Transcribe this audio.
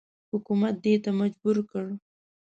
حکومت دې ته مجبور کړ.